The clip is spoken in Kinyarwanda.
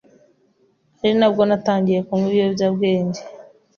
ari na bwo natangiye kunywa ibiyobyabwenge.